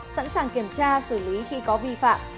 sẵn sàng kiểm tra xử lý khi có vi phạm